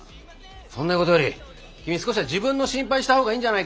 そんなことより君少しは自分の心配したほうがいいんじゃないか？